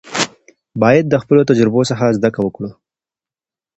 باید د خپلو تجربو څخه زده کړه وکړو.